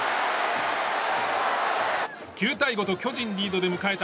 ９対５と巨人リードで迎えた